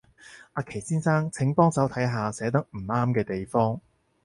阿祁先生，請幫手睇下寫得唔啱嘅地方